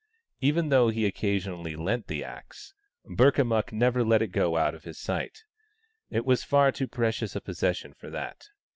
Even though he occasionally lent the axe, Burka mukk never let it go out of his sight. It was far too precious a possession for that.